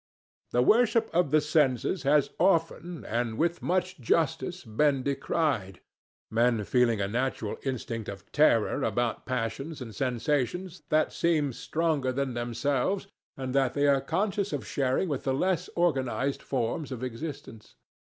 The worship of the senses has often, and with much justice, been decried, men feeling a natural instinct of terror about passions and sensations that seem stronger than themselves, and that they are conscious of sharing with the less highly organized forms of existence.